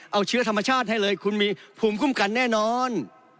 เอาเชื้อธรรมชาติให้เลยคุณมีภูมิคุ้มกันแน่นอน